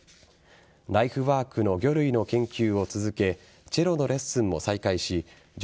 ライフワークの魚類の研究を続けチェロのレッスンも再開し上